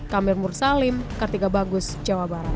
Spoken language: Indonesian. kamir mursalim kartika bagus jawa barat